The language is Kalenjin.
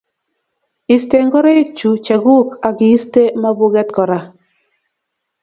Iste ngoroik chu chekuk ak iiste mapuket kora